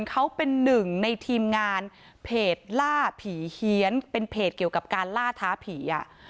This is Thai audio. เขาเป็นหนึ่งในทีมงานเพจล่าผีเฮียนเป็นเพจเกี่ยวกับการล่าท้าผีอ่ะ